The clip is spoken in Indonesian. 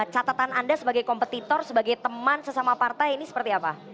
catatan anda sebagai kompetitor sebagai teman sesama partai ini seperti apa